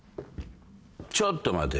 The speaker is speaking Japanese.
ちょっと待て。